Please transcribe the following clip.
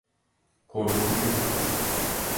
Korkutucu…